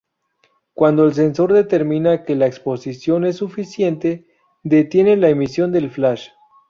Cuando el sensor determina que la exposición es suficiente, detiene la emisión del flash.